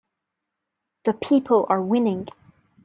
The people are winning.